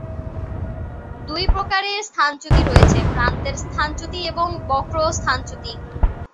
দুই প্রকারের স্থানচ্যুতি রয়েছে, "প্রান্তের" স্থানচ্যুতি এবং বক্র স্থানচ্যুতি।